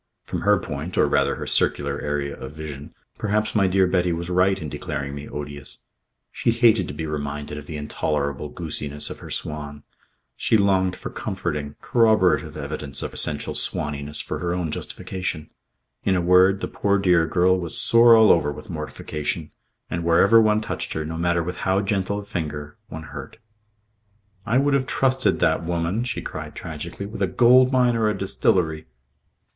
From her point or rather her circular area of vision perhaps my dear Betty was right in declaring me odious. She hated to be reminded of the intolerable goosiness of her swan. She longed for comforting, corroborative evidence of essential swaniness for her own justification. In a word, the poor dear girl was sore all over with mortification, and wherever one touched her, no matter with how gentle a finger, one hurt. "I would have trusted that woman," she cried tragically, "with a gold mine or a distillery."